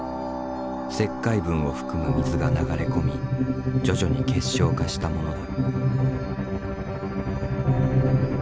石灰分を含む水が流れ込み徐々に結晶化したものだ。